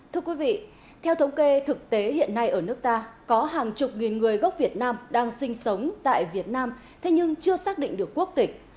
thưa quý vị theo thống kê thực tế hiện nay ở nước ta có hàng chục nghìn người gốc việt nam đang sinh sống tại việt nam thế nhưng chưa xác định được quốc tịch